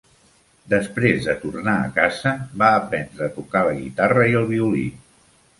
Després de tornar a casa, va aprendre a tocar la guitarra i el violí.